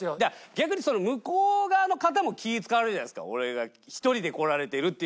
逆に向こう側の方も気ぃ使われるじゃないですか俺が１人で来られてるっていうの。